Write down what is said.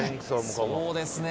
そうですね